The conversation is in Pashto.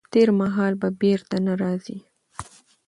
تېر مهال به بیرته نه راځي.